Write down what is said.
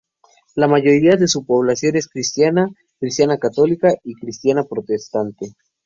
La mayoría de su población es cristiana, cristiana católica y cristiana protestante.